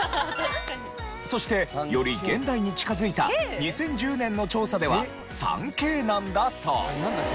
そしてより現代に近づいた２０１０年の調査では３Ｋなんだそう。